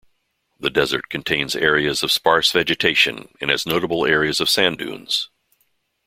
The desert contains areas of sparse vegetation and has notable areas of sand dunes.